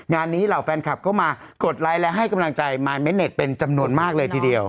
งานนี้เหล่าแฟนคลับก็มากดไลค์และให้กำลังใจมายเม้นเน็ตเป็นจำนวนมากเลยทีเดียว